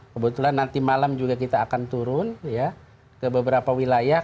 kebetulan nanti malam juga kita akan turun ke beberapa wilayah